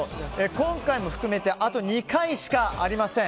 今回も含めてあと２回しかありません。